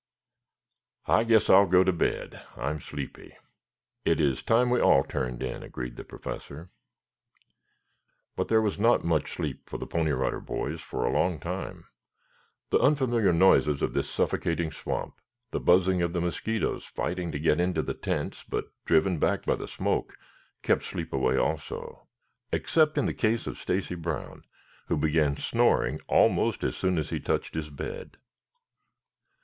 I guess I'll go to bed. I'm sleepy." "It is time we all turned in," agreed the Professor. But there was not much sleep for the Pony Rider Boys for a long time. The unfamiliar noises of this suffocating swamp, the buzzing of the mosquitoes fighting to get into the tents, but driven back by the smoke, kept sleep away also, except in the case of Stacy Brown who began snoring almost as soon as he touched his bed.